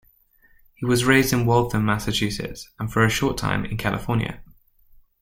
He was raised in Waltham, Massachusetts and for a short time in California.